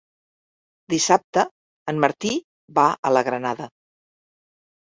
Dissabte en Martí va a la Granada.